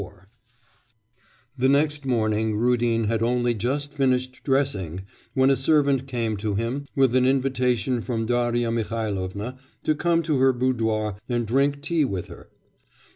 IV The next morning Rudin had only just finished dressing when a servant came to him with an invitation from Darya Mihailovna to come to her boudoir and drink tea with her.